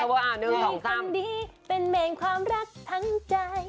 มีคนดีเป็นแมงความรักทั้งใจ